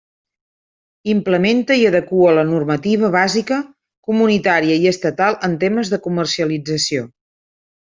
Implementa i adequa la normativa bàsica comunitària i estatal en temes de comercialització.